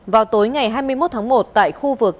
vào tối ngày hai mươi một tháng một tại khu vực